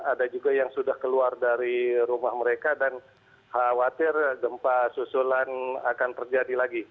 ada juga yang sudah keluar dari rumah mereka dan khawatir gempa susulan akan terjadi lagi